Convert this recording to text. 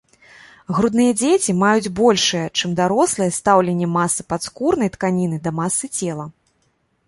Грудныя дзеці маюць большае чым дарослыя, стаўленне масы падскурнай тканіны да масы цела.